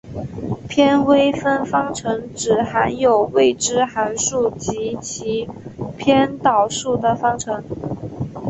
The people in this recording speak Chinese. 偏微分方程指含有未知函数及其偏导数的方程。